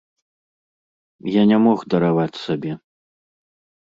Я не мог дараваць сабе.